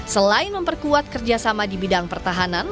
selain memperkuat kerjasama di bidang pertahanan